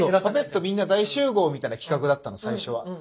「パペットみんな大集合！」みたいな企画だったの最初は。